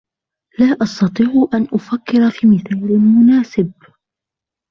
لا أستطيع أن أفكر في مثال مناسب.